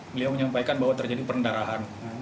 beliau menyampaikan bahwa terjadi pendarahan